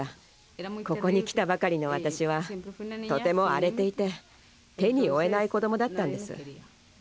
ここに来たばかりの私はとても荒れていて手に負えない子どもだったんです。